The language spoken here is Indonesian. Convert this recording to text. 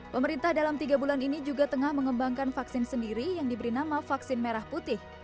pemerintah dalam tiga bulan ini juga tengah mengembangkan vaksin sendiri yang diberi nama vaksin merah putih